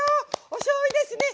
おしょうゆですね